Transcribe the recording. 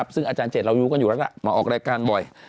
ซึ่งอาจารย์เจ็ดเรารู้กันอยู่แล้วก็มาออกรายการบ่อย